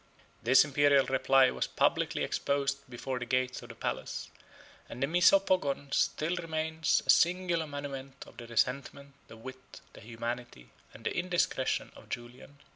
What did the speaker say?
This Imperial reply was publicly exposed before the gates of the palace; and the Misopogon 20 still remains a singular monument of the resentment, the wit, the humanity, and the indiscretion of Julian.